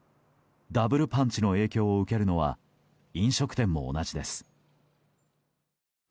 ダブルパンチの影響を受けるのは飲食店も同じです。